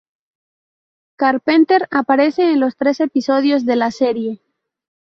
Carpenter aparece en los tres episodios de la serie.